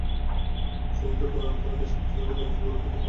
শ্রমিকদের কল্যাণে তারা দেশে আর্থসামাজিক পরিবেশকে গুরুত্ব দেবে বলে আশা করি।